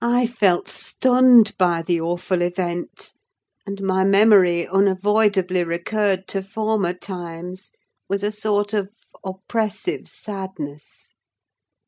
I felt stunned by the awful event; and my memory unavoidably recurred to former times with a sort of oppressive sadness.